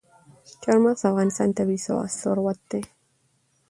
چار مغز د افغانستان طبعي ثروت دی.